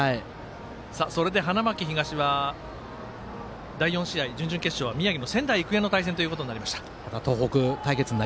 それで、花巻東は第４試合、準々決勝は宮城、仙台育英との対戦ということになりました。